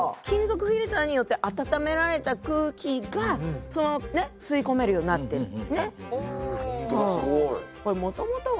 金属フィルターによってあたためられた空気がそのまま吸い込めるようになってるんですね。